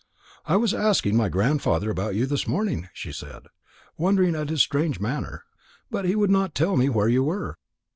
"I was asking my grandfather about you this morning," she said, wondering at his strange manner, "but he would not tell me where you were."